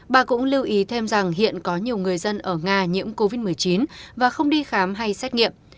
bà cũng lưu ý thêm rằng hiện có nhiều người dân ở nga nhiễm covid một mươi chín và không đi khám hay xét nghiệm